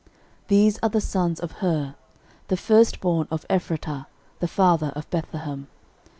These are the sons of Hur, the firstborn of Ephratah, the father of Bethlehem.